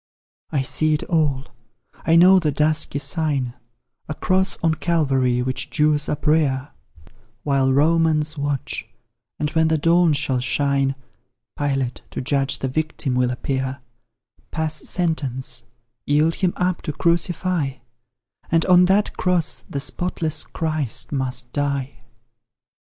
I see it all I know the dusky sign A cross on Calvary, which Jews uprear While Romans watch; and when the dawn shall shine Pilate, to judge the victim, will appear Pass sentence yield Him up to crucify; And on that cross the spotless Christ must die.